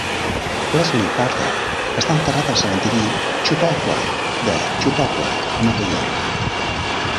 Leslie Carter està enterrat al cementeri Chautauqua de Chautauqua, Nova York.